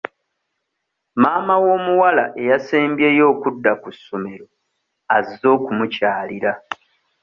Maama w'omuwala eyasembyeyo okudda ku ssomero azze okumukyalira.